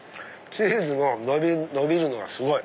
チーズがのびるのがすごい！